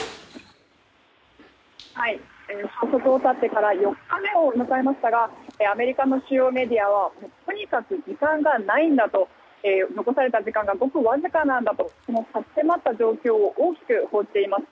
消息を絶ってから４日目を迎えましたがアメリカのメディアはとにかく時間がないんだと残された時間がごくわずかなんだとこの差し迫った状況を大きく報じています。